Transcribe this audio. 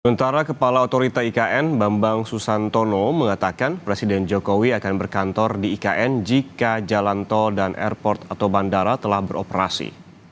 sementara kepala otorita ikn bambang susantono mengatakan presiden jokowi akan berkantor di ikn jika jalan tol dan airport atau bandara telah beroperasi